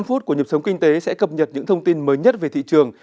năm phút của nhập sống kinh tế sẽ cập nhật những thông tin mới nhất về thị trường